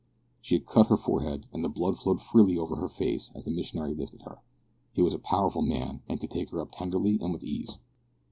She had cut her forehead, and the blood flowed freely over her face as the missionary lifted her. He was a powerful man, and could take her up tenderly and with ease.